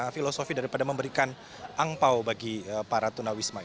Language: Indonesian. filosofi daripada memberikan angpao bagi para tunawisma